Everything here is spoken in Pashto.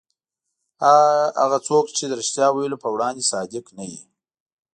هغه څوک چې د رښتیا ویلو په وړاندې صادق نه وي.